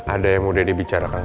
ada yang udah dibicarakan